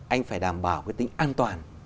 anh phải đảm bảo cái tính an toàn